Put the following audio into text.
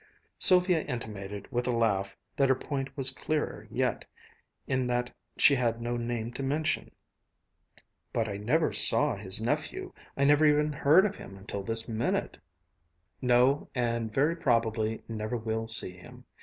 Sylvia intimated with a laugh that her point was clearer yet in that she had no name to mention. "But I never saw his nephew. I never even heard of him until this minute." "No, and very probably never will see him.